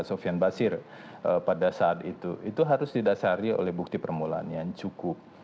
sofian basir pada saat itu itu harus didasari oleh bukti permulaan yang cukup